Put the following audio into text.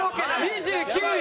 ２９位。